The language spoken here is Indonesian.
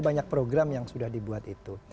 banyak program yang sudah dibuat itu